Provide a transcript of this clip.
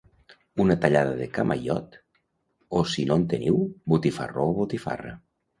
una tallada de camaiot, o si no en teniu, botifarró o botifarra